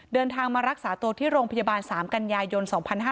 เดินทางมารักษาตัวที่โรงพยาบาล๓กันยายน๒๕๕๙